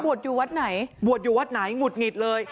อยู่วัดไหนบวชอยู่วัดไหนหงุดหงิดเลย